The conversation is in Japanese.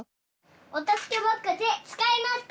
おたすけボックスつかいますか？